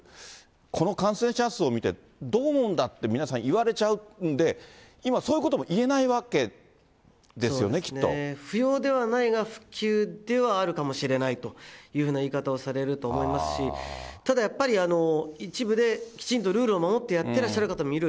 この感染者数を見てどう思うんだって、皆さん、言われちゃうんで、今、そういうことも言えないわけですよね、き不要ではないが、不急ではあるかもしれないというふうな言い方をされると思いますし、ただやっぱり、一部できちんとルールを守ってやってらっしゃる方もいる。